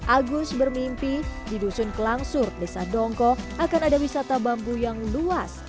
agus bermimpi di dusun kelangsur desa dongko akan ada wisata bambu yang luas